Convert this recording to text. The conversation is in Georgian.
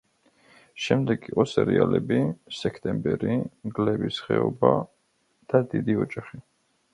შემდეგ იყო სერიალები: „სექტემბერი“, „მგლების ხეობა“ და „დიდი ოჯახი“.